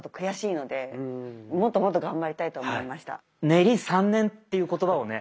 「練り三年」っていう言葉をね